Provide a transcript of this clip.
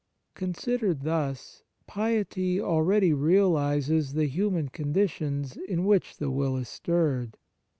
Considered thus, piety already realizes the human conditions in which the will is stirred.